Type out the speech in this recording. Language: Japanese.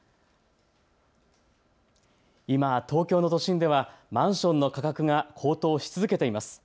今、東京の都心ではマンションの価格が高騰し続けています。